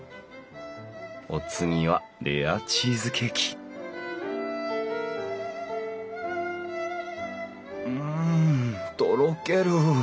お次はレアチーズケーキうんとろける！